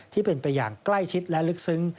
ที่เป็นไปอย่างใกล้ชิดและลึกซึ้ง